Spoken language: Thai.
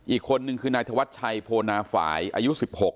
อีกคนนึงคือนายธวัชชัยโพนาฝ่ายอายุ๑๖